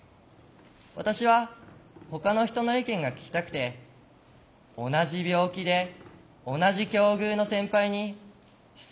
私はほかの人の意見が聞きたくて同じ病気で同じ境遇の先輩に質問をしてみた。